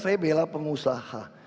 saya bela pengusaha